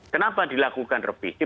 kenapa dilakukan revisi